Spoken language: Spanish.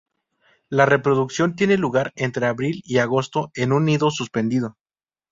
La reproducción tiene lugar entre abril y agosto en un nido suspendido.